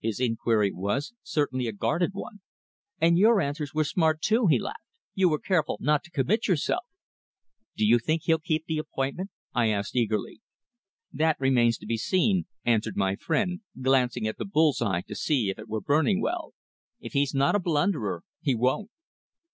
"His inquiry was certainly a guarded one." "And your answers were smart, too," he laughed. "You were careful not to commit yourself." "Do you think he'll keep the appointment?" I asked eagerly. "That remains to be seen," answered my friend, glancing at the bull's eye to see if it were burning well. "If he's not a blunderer he won't."